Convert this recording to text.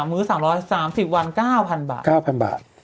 ๓มื้อ๓๐๐๓๐วัน๙๐๐๐บาท